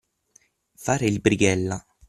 Fare il brighella.